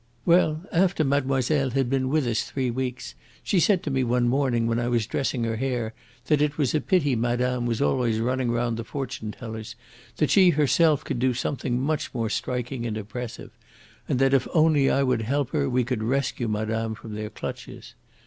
"Well, after mademoiselle had been with us three weeks, she said to me one morning when I was dressing her hair that it was a pity madame was always running round the fortune tellers, that she herself could do something much more striking and impressive, and that if only I would help her we could rescue madame from their clutches.